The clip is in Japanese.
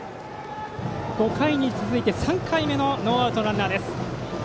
５回に続いて３回目のノーアウトのランナーです。